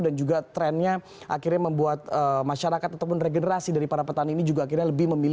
juga trennya akhirnya membuat masyarakat ataupun regenerasi dari para petani ini juga akhirnya lebih memilih